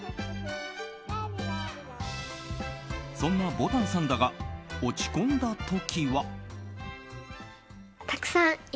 そんな、ぼたんさんだが落ち込んだ時は。